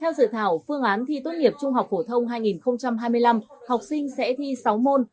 theo dự thảo phương án thi tốt nghiệp trung học phổ thông hai nghìn hai mươi năm học sinh sẽ thi sáu môn